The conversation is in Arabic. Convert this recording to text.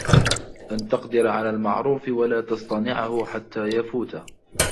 أَنْ تَقْدِرَ عَلَى الْمَعْرُوفِ وَلَا تَصْطَنِعُهُ حَتَّى يَفُوتَ